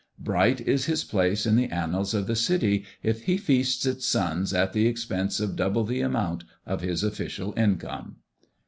Bright is his place in the annals of the City, if he feasts its sons at the expense of double the amount of his official income!